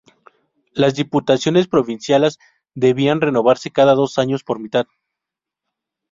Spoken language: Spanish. Las Diputaciones Provinciales debían renovarse cada dos años, por mitad.